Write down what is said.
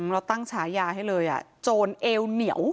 เราตั้งฉายาให้เลยโจรเอวเหนียว